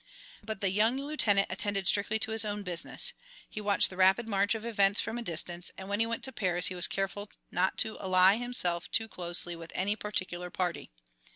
But the young lieutenant attended strictly to his own business. He watched the rapid march of events from a distance, and when he went to Paris he was careful not to ally himself too closely with any particular party.